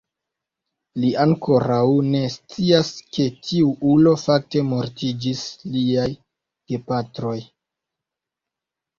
Li ankoraŭ ne scias ke tiu ulo fakte mortiĝis liaj gepatroj.